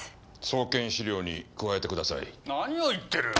送検資料に加えてください。